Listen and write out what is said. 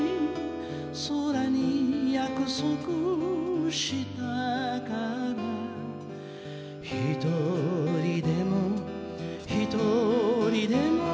「空に約束したから」「ひとりでもひとりでも」